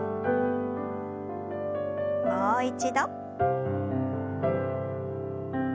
もう一度。